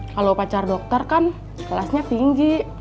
kalau pacar dokter kan kelasnya tinggi